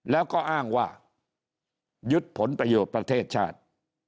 แล้วก็อ้างว่ายึดผลประโยชน์ประเทศชาติ